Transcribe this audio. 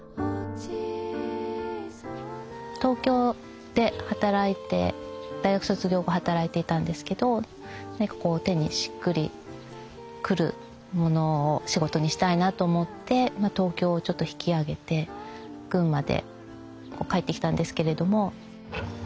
東京で働いて大学卒業後働いていたんですけどなんかこう手にしっくりくるものを仕事にしたいなと思って東京をちょっと引き揚げて群馬でこう帰ってきたんですけれども。